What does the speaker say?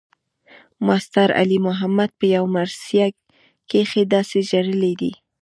ماسټر علي محمد پۀ يو مرثيه کښې داسې ژړلے دے